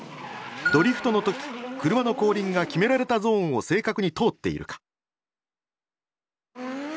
ドリフトの時車の後輪が決められたゾーンを正確に通っているか。